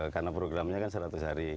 karena programnya kan seratus hari